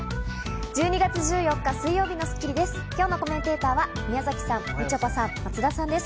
１２月１４日、水曜日の『スッキリ』です。